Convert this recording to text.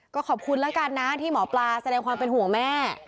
ก็ขอบคุณแล้วกันนะที่หมอปลาแสดงความเป็นห่วงแม่